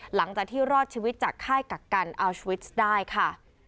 หลังจากที่รอดชีวิตจากค่ายกักกันอัลชวิสได้ค่ะ